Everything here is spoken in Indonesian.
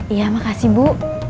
iya makasih bu